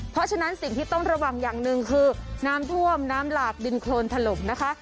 เพราะฉะนั้นสิ่งที่ต้องระวังอย่างหนึ่งคือน้ำท่วมน้ำหลากดินโครนถล่มนะคะ